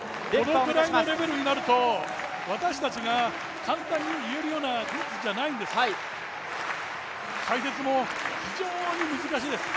このくらいのレベルになると、私たちが簡単に言えるようなものじゃないんです。